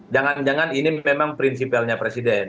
jangan jangan ini memang prinsipilnya presiden